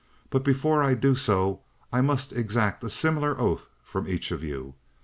But before I do so I must exact a similar oath from each of you.